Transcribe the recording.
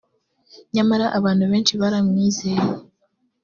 nyamara abantu benshi baramwizeye